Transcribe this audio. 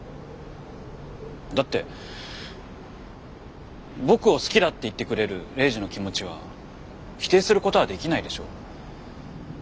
だって僕を好きだって言ってくれるレイジの気持ちは否定することはできないでしょ。